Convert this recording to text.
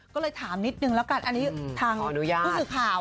ก็เลยถามนิดนึงแล้วกันอันนี้ทางผู้สื่อข่าว